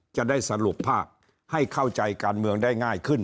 จะได้สรุปภาพให้เข้าใจการเมืองได้ง่ายขึ้น